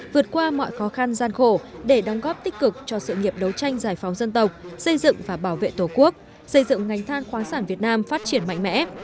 vượt qua mọi khó khăn gian khổ để đóng góp tích cực cho sự nghiệp đấu tranh giải phóng dân tộc xây dựng và bảo vệ tổ quốc xây dựng ngành than khoáng sản việt nam phát triển mạnh mẽ